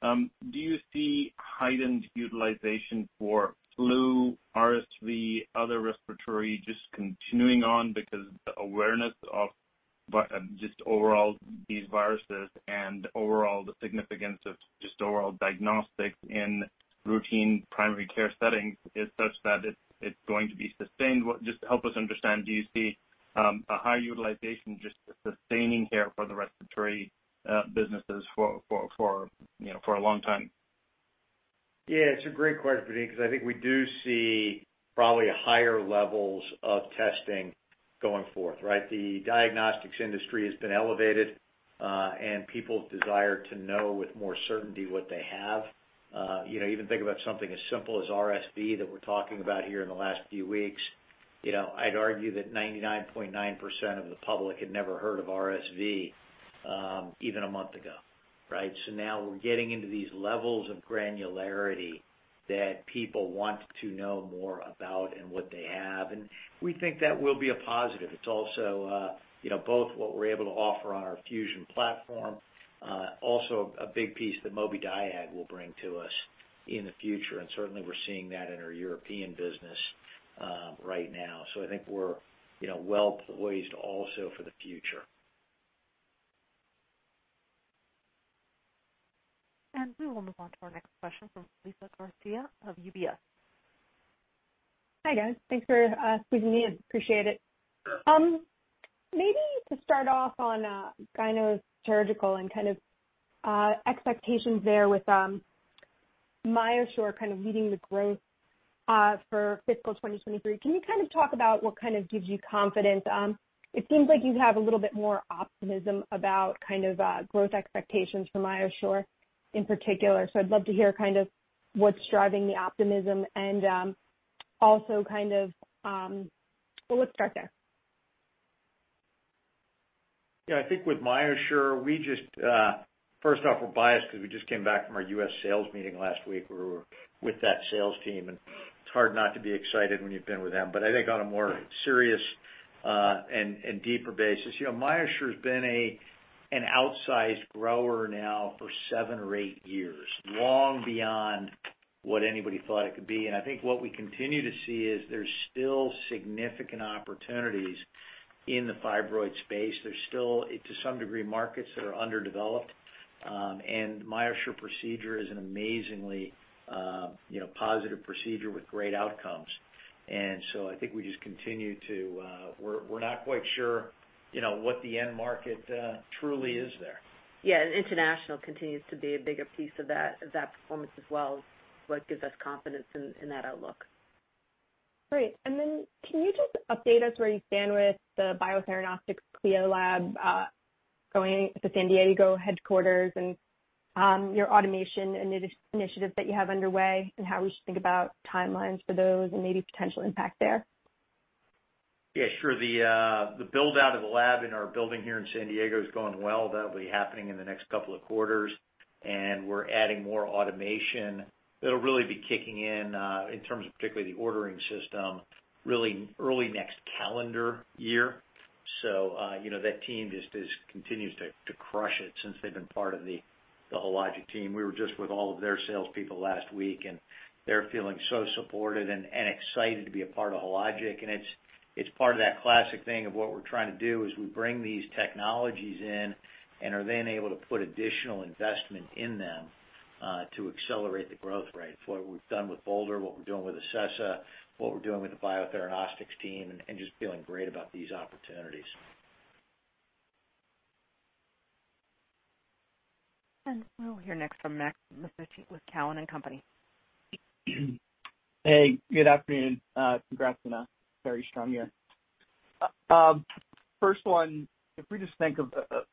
do you see heightened utilization for flu, RSV, other respiratory just continuing on because the awareness of, but, just overall these viruses and overall the significance of just overall diagnostics in routine primary care settings is such that it's going to be sustained? Just to help us understand, do you see a high utilization just sustaining here for the respiratory businesses for, you know, for a long time? Yeah, it's a great question, Puneet, 'cause I think we do see probably higher levels of testing going forth, right? The diagnostics industry has been elevated, and people's desire to know with more certainty what they have. You know, even think about something as simple as RSV that we're talking about here in the last few weeks. You know, I'd argue that 99.9% of the public had never heard of RSV, even a month ago, right? Now we're getting into these levels of granularity that people want to know more about and what they have. We think that will be a positive. It's also, you know, both what we're able to offer on our Fusion platform, also a big piece that Mobidiag will bring to us in the future. Certainly we're seeing that in our European business, right now. I think we're, you know, well poised also for the future. We will move on to our next question from Liza Garcia of UBS. Hi, guys. Thanks for squeezing me in. Appreciate it. Maybe to start off on gynecological and kind of expectations there with MyoSure kind of leading the growth for fiscal 2023, can you kind of talk about what kind of gives you confidence? It seems like you have a little bit more optimism about kind of growth expectations for MyoSure in particular. I'd love to hear kind of what's driving the optimism and also kind of. Well, let's start there. I think with MyoSure we just first off, we're biased because we just came back from our U.S. sales meeting last week. We were with that sales team, and it's hard not to be excited when you've been with them. I think on a more serious and deeper basis, you know, MyoSure has been an outsized grower now for seven or eight years, long beyond what anybody thought it could be. I think what we continue to see is there's still significant opportunities in the fibroid space. There's still, to some degree, markets that are underdeveloped. MyoSure procedure is an amazingly, you know, positive procedure with great outcomes. I think we just continue to. We're not quite sure, you know, what the end market truly is there. Yeah, international continues to be a bigger piece of that performance as well, is what gives us confidence in that outlook. Great. Can you just update us where you stand with the Biotheranostics CLIA Lab, going to San Diego headquarters and your automation initiative that you have underway and how we should think about timelines for those and maybe potential impact there? Yeah, sure. The build-out of the lab in our building here in San Diego is going well. That'll be happening in the next couple of quarters, and we're adding more automation. It'll really be kicking in in terms of particularly the ordering system, really early next calendar year. You know, that team just continues to crush it since they've been part of the Hologic team. We were just with all of their salespeople last week, and they're feeling so supported and excited to be a part of Hologic. It's part of that classic thing of what we're trying to do is we bring these technologies in and are then able to put additional investment in them to accelerate the growth rate. It's what we've done with Bolder, what we're doing with Acessa, what we're doing with the Biotheranostics team, and just feeling great about these opportunities. We will hear next from Max Masucci with Cowen and Company. Hey, good afternoon. Congrats on a very strong year. First one, if we just think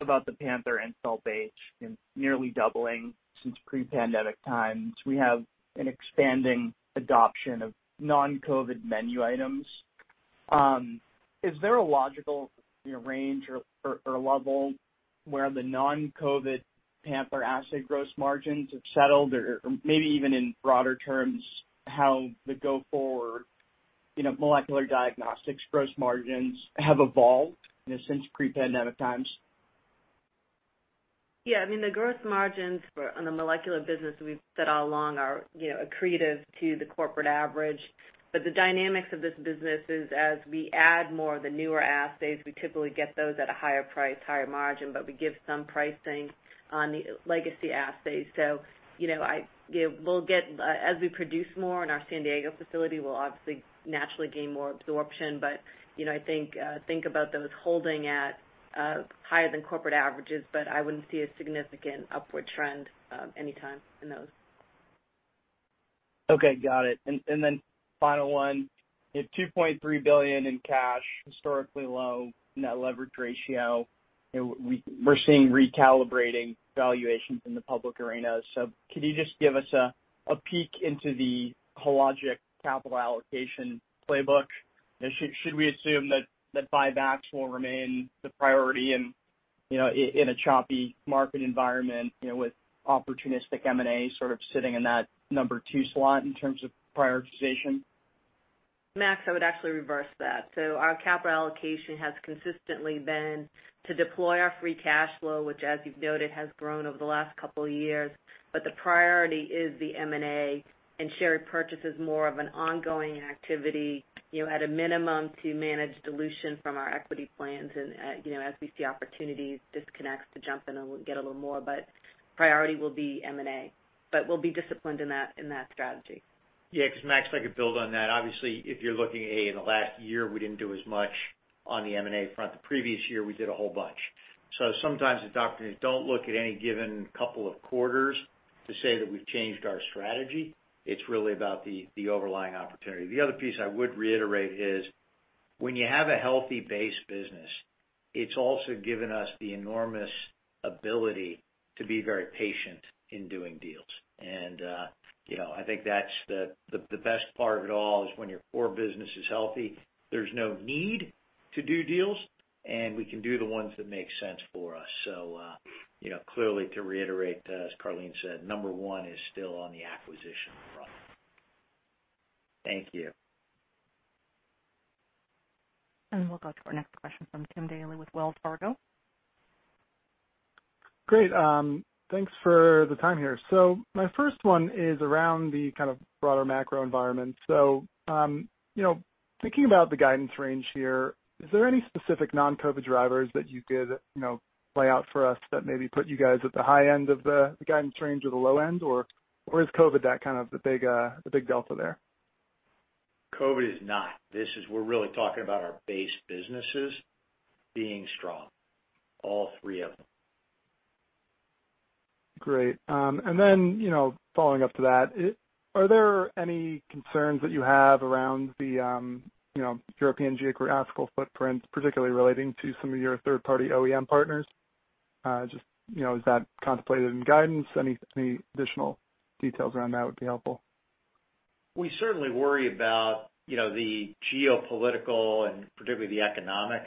about the Panther and install base nearly doubling since pre-pandemic times, we have an expanding adoption of non-COVID menu items. Is there a logical, you know, range or a level where the non-COVID Panther assay gross margins have settled? Or maybe even in broader terms, how the go forward, you know, molecular diagnostics gross margins have evolved, you know, since pre-pandemic times? Yeah. I mean, the growth margins on the molecular business we've said all along are, you know, accretive to the corporate average. The dynamics of this business is as we add more of the newer assays, we typically get those at a higher price, higher margin, but we give some pricing on the legacy assays. You know, we'll get as we produce more in our San Diego facility, we'll obviously naturally gain more absorption. You know, I think about those holding at higher than corporate averages, but I wouldn't see a significant upward trend anytime in those. Okay, got it. Final one. You have $2.3 billion in cash, historically low net leverage ratio. You know, we're seeing recalibrating valuations in the public arena. Could you just give us a peek into the Hologic capital allocation playbook? Should we assume that buybacks will remain the priority in, you know, in a choppy market environment, you know, with opportunistic M&A sort of sitting in that number two slot in terms of prioritization? Max, I would actually reverse that. Our capital allocation has consistently been to deploy our free cash flow, which as you've noted, has grown over the last couple of years. The priority is the M&A and share repurchase is more of an ongoing activity, you know, at a minimum to manage dilution from our equity plans and, you know, as we see opportunities, disconnects to jump in and we'll get a little more. Priority will be M&A, but we'll be disciplined in that strategy. Yeah, 'cause Max, if I could build on that. Obviously, if you're looking, A, in the last year, we didn't do as much on the M&A front. The previous year, we did a whole bunch. Sometimes the doctors don't look at any given couple of quarters to say that we've changed our strategy. It's really about the overlying opportunity. The other piece I would reiterate is when you have a healthy base business, it's also given us the enormous ability to be very patient in doing deals. And, you know, I think that's the best part of it all is when your core business is healthy, there's no need to do deals, and we can do the ones that make sense for us. You know, clearly to reiterate, as Karleen said, number one is still on the acquisition front. Thank you. We'll go to our next question from Timothy Daley with Wells Fargo. Great. Thanks for the time here. My first one is around the kind of broader macro environment. You know, thinking about the guidance range here, is there any specific non-COVID drivers that you could, you know, lay out for us that maybe put you guys at the high end of the guidance range or the low end, or is COVID that kind of the big delta there? COVID is not. We're really talking about our base businesses being strong, all three of them. Great. You know, following up to that, are there any concerns that you have around the, you know, European geographical footprint, particularly relating to some of your third-party OEM partners? Just, you know, is that contemplated in guidance? Any additional details around that would be helpful. We certainly worry about, you know, the geopolitical and particularly the economic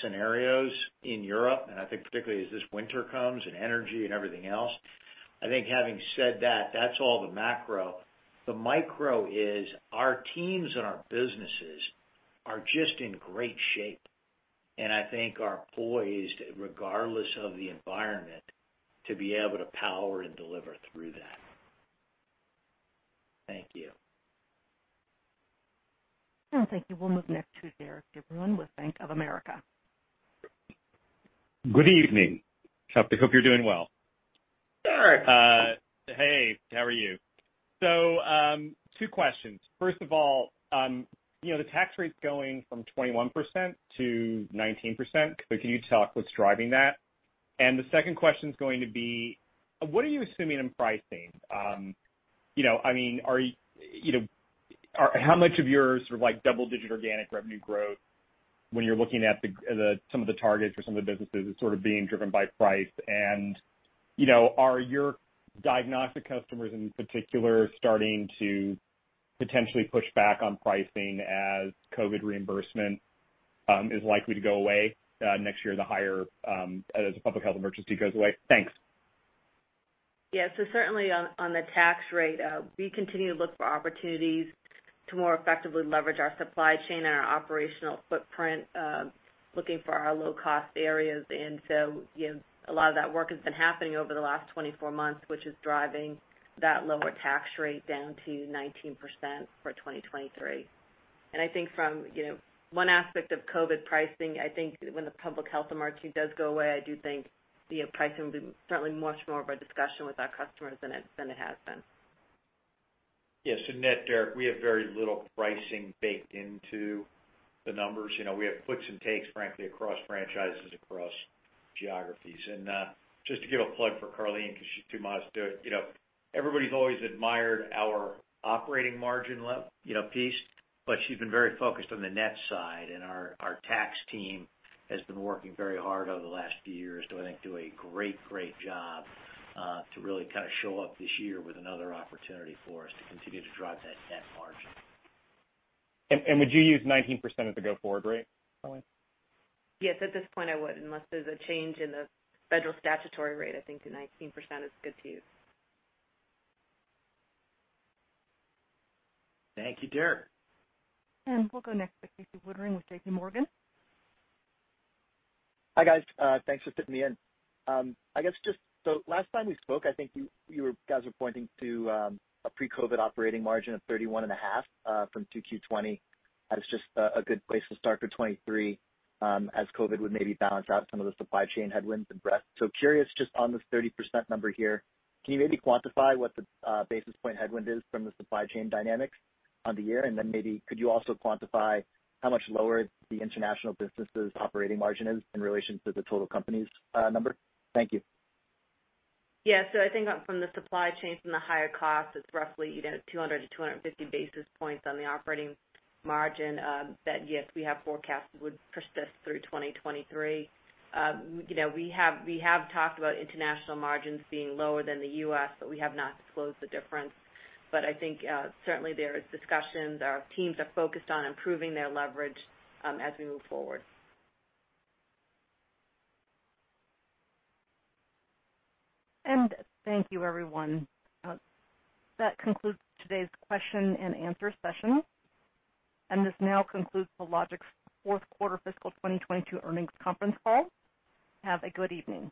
scenarios in Europe, and I think particularly as this winter comes and energy and everything else. I think having said that's all the macro. The micro is our teams and our businesses are just in great shape. I think are poised, regardless of the environment, to be able to power and deliver through that. Thank you. Thank you. We'll move next to Derik De Bruin with Bank of America. Good evening. I hope you're doing well. Derik. Hey, how are you? Two questions. First of all, you know, the tax rate's going from 21% to 19%. Can you talk what's driving that? The second question is going to be, what are you assuming in pricing? You know, I mean, you know, how much of your sort of like double-digit organic revenue growth when you're looking at some of the targets for some of the businesses is sort of being driven by price? You know, are your diagnostic customers in particular starting to potentially push back on pricing as COVID reimbursement is likely to go away next year, as the public health emergency goes away? Thanks. Yeah. Certainly on the tax rate, we continue to look for opportunities to more effectively leverage our supply chain and our operational footprint, looking for our low-cost areas. You know, a lot of that work has been happening over the last 24 months, which is driving that lower tax rate down to 19% for 2023. I think from you know, one aspect of COVID pricing, I think when the public health emergency does go away, I do think the pricing will be certainly much more of a discussion with our customers than it has been. Yes. Net, Derik, we have very little pricing baked into the numbers. You know, we have puts and takes, frankly, across franchises, across geographies. Just to give a plug for Karleen because she's too modest to do it, you know, everybody's always admired our operating margin piece, but she's been very focused on the net side. Our tax team has been working very hard over the last few years to, I think, do a great job to really kind of show up this year with another opportunity for us to continue to drive that net margin. Would you use 19% as a go-forward rate, Karleen? Yes, at this point, I would. Unless there's a change in the federal statutory rate, I think the 19% is good to use. Thank you, Derik. We'll go next to Casey Woodring with JPMorgan. Hi, guys. Thanks for fitting me in. Last time we spoke, I think you guys were pointing to a pre-COVID operating margin of 31.5% from 2Q20 as just a good place to start for 2023, as COVID would maybe balance out some of the supply chain headwinds and breadth. Curious just on this 30% number here, can you maybe quantify what the basis point headwind is from the supply chain dynamics on the year? Then maybe could you also quantify how much lower the international business' operating margin is in relation to the total company's number? Thank you. Yeah. I think from the supply chain, from the higher cost, it's roughly, you know, 200 to 250 basis points on the operating margin that yes, we have forecast would persist through 2023. You know, we have talked about international margins being lower than the U.S., but we have not disclosed the difference. I think certainly there is discussions. Our teams are focused on improving their leverage as we move forward. Thank you, everyone. That concludes today's question and answer session. This now concludes Hologic's fourth quarter fiscal 2022 earnings conference call. Have a good evening.